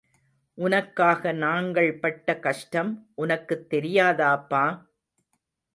உனக்காக நாங்கள் பட்ட கஷ்டம் உனக்குத் தெரியாதப்பா!...